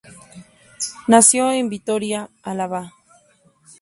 Nació en Vitoria, Álava.